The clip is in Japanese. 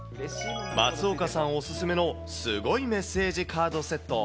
松岡さんお勧めのすごいメッセージカードセット。